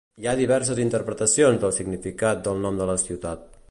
Hi ha diverses interpretacions del significat del nom de la ciutat.